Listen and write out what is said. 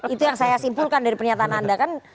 itu yang saya simpulkan dari pernyataan anda kan